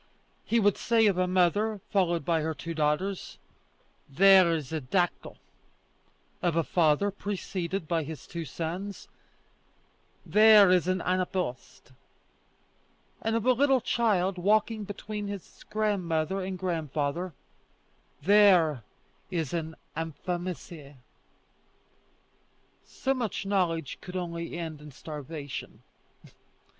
He would say of a mother followed by her two daughters, There is a dactyl; of a father preceded by his two sons, There is an anapæst; and of a little child walking between its grandmother and grandfather, There is an amphimacer. So much knowledge could only end in starvation.